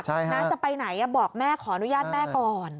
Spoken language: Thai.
น้าจะไปไหนบอกแม่ขออนุญาตแม่ก่อน